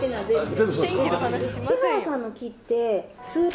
木原さんの気って。